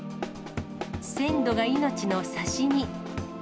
鮮度が命の刺身。